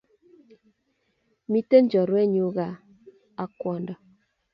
Miten chorwenyun kaa ak kwondo